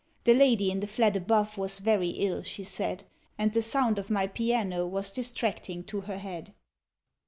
The lady in the flat above was very ill, she said, And the sound of my piano was distracting to her head.